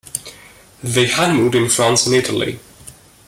They honeymooned in France and Italy.